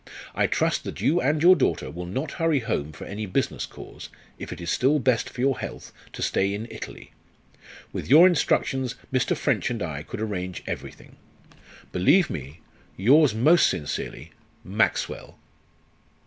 I trust that you and your daughter will not hurry home for any business cause, if it is still best for your health to stay in Italy. With your instructions Mr. French and I could arrange everything. "Believe me, "Yours most sincerely, "MAXWELL."